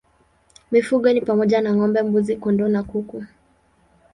Mifugo ni pamoja na ng'ombe, mbuzi, kondoo na kuku.